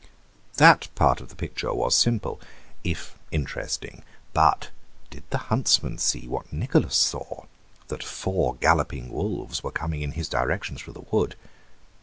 That part of the picture was simple, if interesting, but did the huntsman see, what Nicholas saw, that four galloping wolves were coming in his direction through the wood?